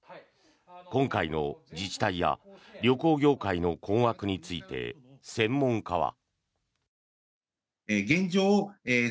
今回の自治体や旅行業界の困惑について専門家は。